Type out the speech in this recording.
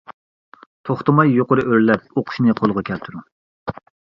توختىماي يۇقىرى ئۆرلەپ ئوقۇشنى قولغا كەلتۈرۈڭ.